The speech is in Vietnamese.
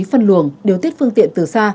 phân luồng điều tiết phương tiện từ xa